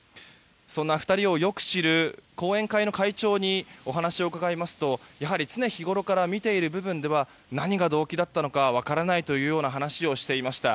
そんな２人をよく知る後援会の会長にお話を伺いますと、やはり常日ごろから見ている部分では何が動機だったのかは分からないというような話をしていました。